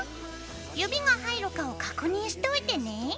指が入るかを確認しておいてね。